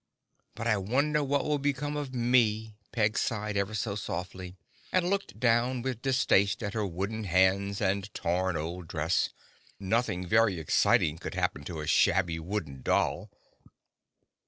But I wonder what will become of me," Peg sighed ever so softly and looked down with distaste at her wooden hands and torn old dress. Nothing very exciting could happen to a shabby Wooden Doll.